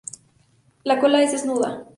La cola es desnuda.